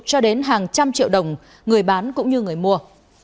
cho đến hàng trăm triệu đồng người bán cũng như người mua